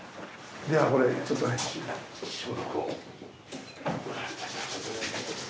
これちょっとね消毒を。